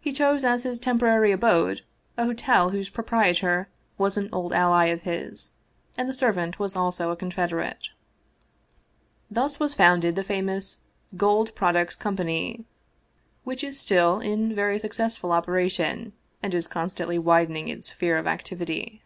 He chose as his temporary abode a hotel whose proprietor was an old ally of his, and the servant was also a confederate. Thus was founded the famous " Gold Products Com pany," which is still in very successful operation, and is constantly widening its sphere of activity.